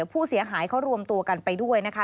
ผู้เสียหายเขารวมตัวกันไปด้วยนะคะ